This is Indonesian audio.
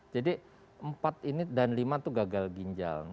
jadi empat ini dan lima itu gagal ginjal